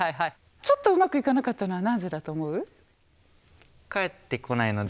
ちょっとうまくいかなかったのはなぜだと思う？